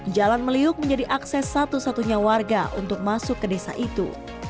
jalan meliuk menjadi akses satu satunya warga untuk masuk ke desa itu